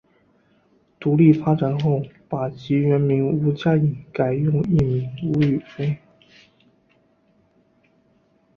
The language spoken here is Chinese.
独立发展后把其原名吴家颖改用艺名吴雨霏。